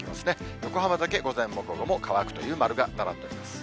横浜だけ午前も午後も乾くという丸が並んでいます。